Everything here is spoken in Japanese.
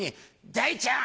「太ちゃん